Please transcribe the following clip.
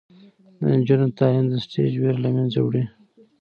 د نجونو تعلیم د سټیج ویره له منځه وړي.